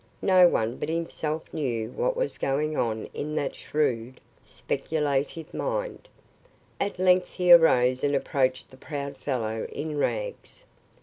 No one but himself knew what was going on in that shrewd, speculative mind. At length he arose and approached the proud fellow in rags.